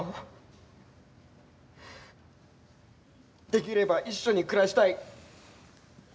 できれば一緒に暮らしたい。